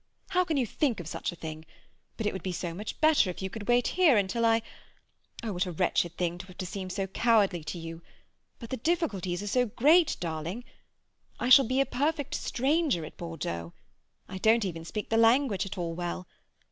How can you think of such a thing? But it would be so much better if you could wait here until I—Oh, what a wretched thing to have to seem so cowardly to you! But the difficulties are so great, darling. I shall be a perfect stranger in Bordeaux. I don't even speak the language at all well.